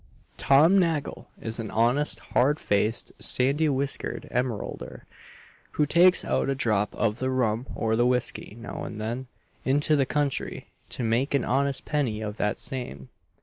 Tom Nagle is an honest, hard faced, sandy whiskered Emeralder, who takes out a drop of the rum or the whiskey, now and then, into the country, to make an honest penny of that same.